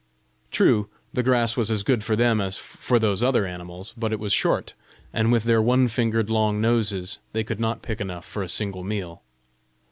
True, the grass was as good for them as for those other animals, but it was short, and with their one fingered long noses, they could not pick enough for a single meal.